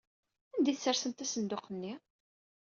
Anda ay tessersemt asenduq-nni?